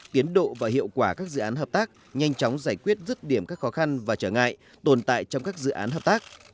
tiến độ và hiệu quả các dự án hợp tác nhanh chóng giải quyết rứt điểm các khó khăn và trở ngại tồn tại trong các dự án hợp tác